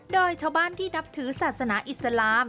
โดยชาวบ้านที่นับถือศาสนาอิสลาม